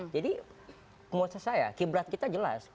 jadi penguasa saya kibrat kita jelas